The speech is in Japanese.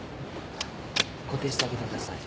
固定してあげてください。